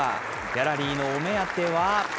ギャラリーのお目当ては。